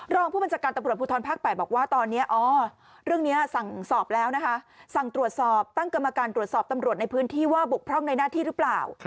รองผู้บัญชาการตำรวจภูทรภาค๘บอกว่าตอนนี้อ๋อเรื่องนี้สั่งสอบแล้วนะคะสั่งตรวจสอบตั้งกรรมการตรวจสอบตำรวจในพื้นที่ว่าบกพร่องในหน้าที่หรือเปล่า